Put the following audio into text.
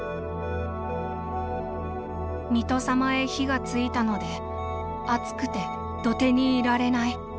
「水戸様へ火がついたのであつくてどてにいられない。